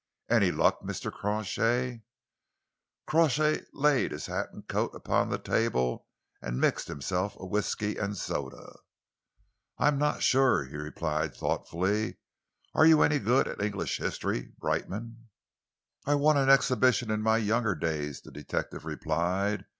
"Any luck, Mr. Crawshay?" Crawshay laid his hat and coat upon the table and mixed himself a whisky and soda. "I am not sure," he replied thoughtfully. "Are you any good at English history, Brightman?" "I won an exhibition in my younger days," the detective replied.